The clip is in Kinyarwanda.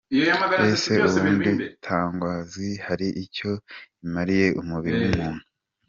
Ese ubundi Tangawizi hari icyo imariye umubiri w’umuntu?.